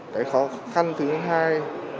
cái khó khăn thứ hai